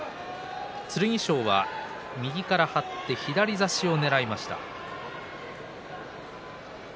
剣翔は右から張って左差しをねらいました。